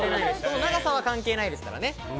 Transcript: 長さは関係ないですからね。